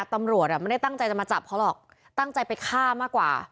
ตำรวจอ่ะไม่ได้ตั้งใจจะมาจับเขาหรอกตั้งใจไปฆ่ามากกว่า